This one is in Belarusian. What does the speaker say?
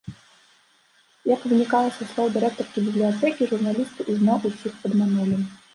Як вынікае са слоў дырэктаркі бібліятэкі, журналісты ізноў усіх падманулі.